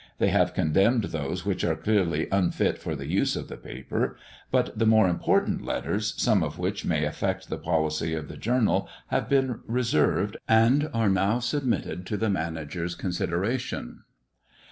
They have condemned those which are clearly unfit for the use of the paper, but the more important letters, some of which may affect the policy of the journal, have been reserved, and are now submitted to the manager's consideration.